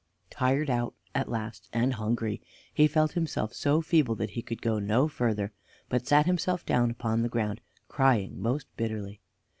Tired out at last and hungry, he felt himself so feeble that he could go no further, but sat himself down upon the ground, crying most bitterly.